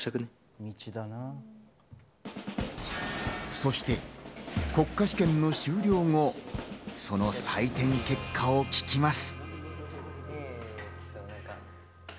そして国家試験の終了後、その採点結果を聞きます。